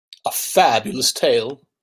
A Fabulous tale